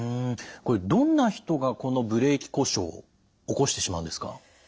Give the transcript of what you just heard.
これどんな人がこのブレーキ故障起こしてしまうんですか？